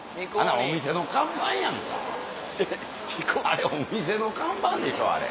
あれお店の看板でしょあれ。